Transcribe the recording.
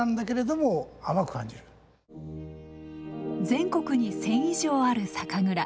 全国に１，０００以上ある酒蔵。